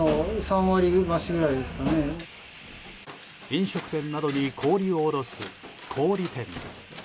飲食店などに氷を卸す氷店です。